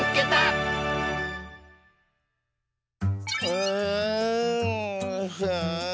うん。